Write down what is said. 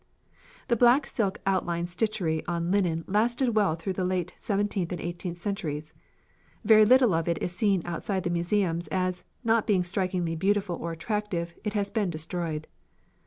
"The black silk outline stitchery on linen lasted well through the late seventeenth and eighteenth centuries. Very little of it is seen outside the museums, as, not being strikingly beautiful or attractive, it has been destroyed.